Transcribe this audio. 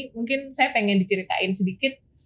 mungkin saya pengen diceritain sedikit